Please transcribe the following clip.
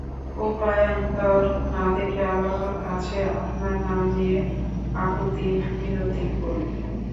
উপায়ান্তর না দেখে আল্লাহর কাছে আপনার নাম নিয়ে কাকুতি-মিনতি করি।